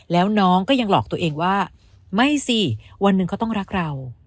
แล้วน้องก็ยังหลอกตัวเองว่าไม่สิวันหนึ่งเขาต้องรักเรา